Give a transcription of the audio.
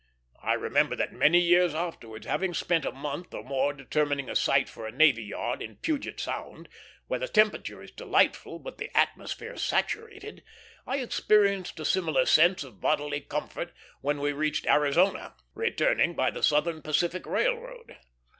I remember that many years afterwards, having spent a month or more determining a site for a navy yard in Puget Sound, where the temperature is delightful but the atmosphere saturated, I experienced a similar sense of bodily comfort, when we reached Arizona, returning by the Southern Pacific Railroad.